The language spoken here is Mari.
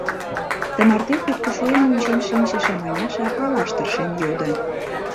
Тымарте куткышуэм ончен шинчыше Маняша палаш тыршен йодо: